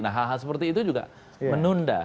nah hal hal seperti itu juga menunda